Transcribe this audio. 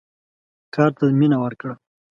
کار ته مینه ورکړه.